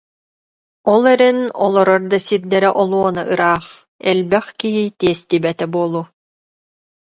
Ол эрэн олорор да сирдэрэ олуона ыраах, элбэх киһи тиэстибэтэ буолуо